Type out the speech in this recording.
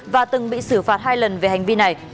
và từng bị xử phạt hai lần về hành vi này